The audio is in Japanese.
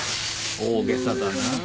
大げさだなあ。